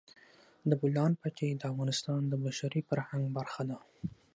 د بولان پټي د افغانستان د بشري فرهنګ برخه ده.